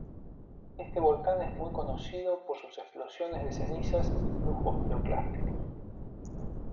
Este volcán es muy conocido por sus explosiones de cenizas y flujos piroclásticos.